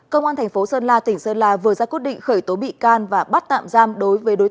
cơ quan thành phố sơn la tỉnh sơn la vừa ra quyết định khởi tố bị can và bắt tạm giam đối với đối